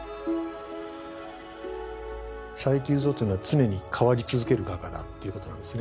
佐伯祐三っていうのは常に変わり続ける画家だっていうことなんですね。